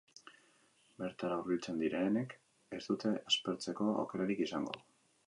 Bertara hurbiltzen direnek ez dute aspertzeko aukerarik izango!